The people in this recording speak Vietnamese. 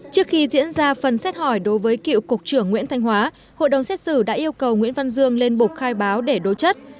trước khi diễn ra phần xét hỏi đối với cựu cục trưởng nguyễn thanh hóa hội đồng xét xử đã yêu cầu nguyễn văn dương lên bục khai báo để đối chất